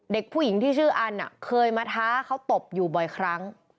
เด็กผู้หญิงที่ชื่ออันเคยมาท้าเขาตบอยู่บ่อยครั้ง